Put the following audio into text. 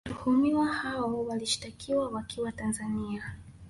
Watuhumiwa hao walishitakiwa wakiwa Tanzania